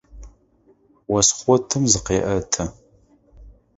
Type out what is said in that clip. Ос хъотым зыкъеӏэты.